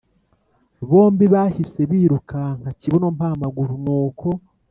bombi bahise birukanka kibuno mpamaguru nuko